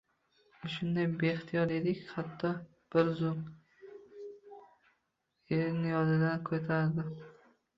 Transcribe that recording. U shunday baxtiyor ediki, hatto bir zum erini yodidan ko`tardi